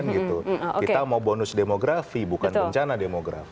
kita mau bonus demografi bukan bencana demografi